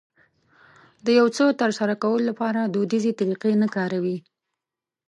د يو څه ترسره کولو لپاره دوديزې طريقې نه کاروي.